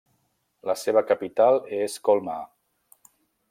La seva capital és Colmar.